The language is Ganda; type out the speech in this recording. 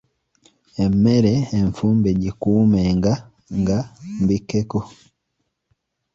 Emmere enfumbe gikuumenga nga mbikkeko.